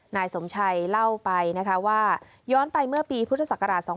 นายสมชัยเล่าไปว่าย้อนไปเมื่อปีพศ๒๕๔๐